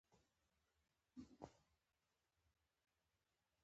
د تبادلو تکامل تر لوړې کچې ورسید.